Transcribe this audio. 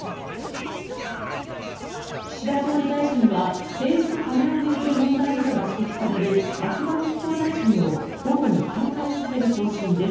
岸田総理大臣は政治と金を巡る問題などが指摘される秋葉復興大臣を午後に交代させる方針です。